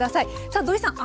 さあ土井さん